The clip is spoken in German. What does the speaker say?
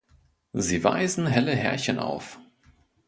Sie weisen helle Härchen auf.